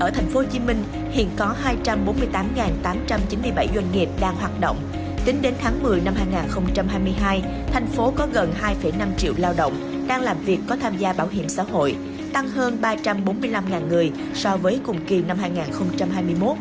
tính đến tháng một mươi năm hai nghìn hai mươi hai thành phố có gần hai năm triệu lao động đang làm việc có tham gia bảo hiểm xã hội tăng hơn ba trăm bốn mươi năm người so với cùng kỳ năm hai nghìn hai mươi một